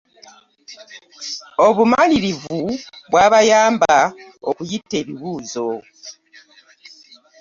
Obumalirivu bwabayamba okuyita ebibuuzo.